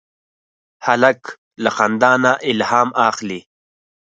هلک له خندا نه الهام اخلي.